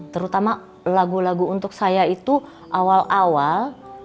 terutama lagu lagu untuk saya itu awal awal